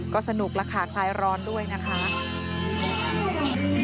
ก็สนุกเบตและขายร้อนด้วยนะค่ะ